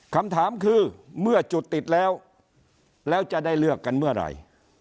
คำถามคือเมื่อจุดติดแล้วแล้วจะได้เลือกกันเมื่อไหร่